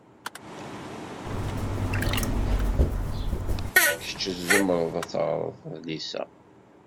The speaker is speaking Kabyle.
Kecc tzemred ad teɣred adlis-a.